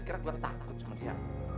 dia kira gue takut sama dia